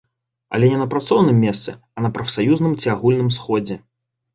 Але не на працоўным месцы, а на прафсаюзным ці агульным сходзе.